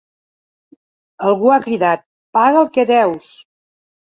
Algú ha cridat: ‘Paga el que deus!’